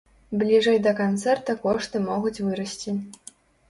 Бліжэй да канцэрта кошты могуць вырасці.